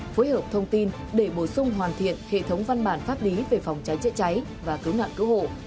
phối hợp thông tin để bổ sung hoàn thiện hệ thống văn bản pháp lý về phòng cháy chữa cháy và cứu nạn cứu hộ